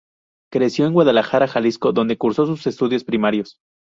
Creció en Guadalajara, Jalisco, donde cursó sus estudios primarios.